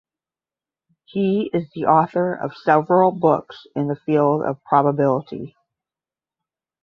He is the author of several books in the field of probability.